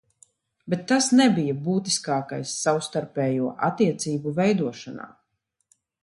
Bet tas nebija būtiskākais savstarpējo attiecību veidošanā.